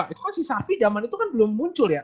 itu kan si savi zaman itu kan belum muncul ya